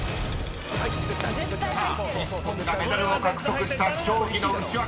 ［さあ日本がメダルを獲得した競技のウチワケ］